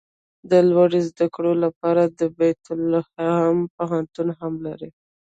د لوړو زده کړو لپاره د بیت لحم پوهنتون هم لري.